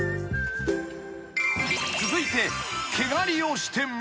［続いて］